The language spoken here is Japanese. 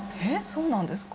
そうなんですか？